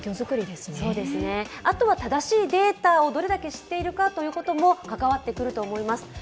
あとは正しいデータをどれだけ知っているかということも関わっていると思います。